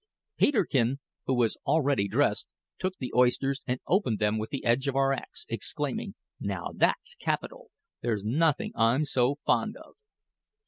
Peterkin, who was already dressed, took the oysters and opened them with the edge of our axe, exclaiming, "Now, that's capital! There's nothing I'm so fond of."